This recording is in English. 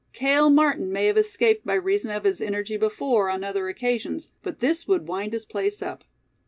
Cale Martin may have escaped by reason of his energy before, on other occasions, but this would wind his place up.